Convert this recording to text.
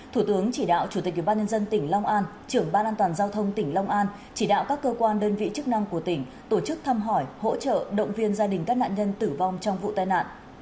thủ tướng chỉ đạo chủ tịch ubnd tỉnh long an trưởng ban an toàn giao thông tỉnh long an chỉ đạo các cơ quan đơn vị chức năng của tỉnh tổ chức thăm hỏi hỗ trợ động viên gia đình các nạn nhân tử vong trong vụ tai nạn